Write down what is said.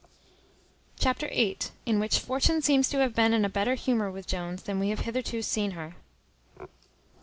Chapter viii. In which fortune seems to have been in a better humour with Jones than we have hitherto seen her.